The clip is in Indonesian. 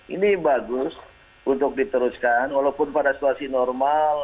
ini bagus untuk diteruskan walaupun pada situasi normal